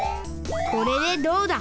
これでどうだ。